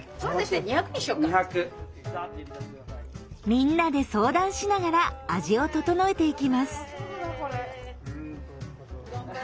みんなで相談しながら味を調えていきます。